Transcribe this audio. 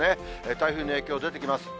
台風の影響出てきます。